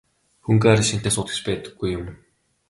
Хөнгөн араншинтай суут гэж байдаггүй юм.